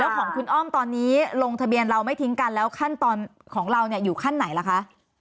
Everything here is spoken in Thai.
ของคุณอ้อมตอนนี้ลงทะเบียนเราไม่ทิ้งกันแล้วขั้นตอนของเราเนี่ยอยู่ขั้นไหนล่ะคะ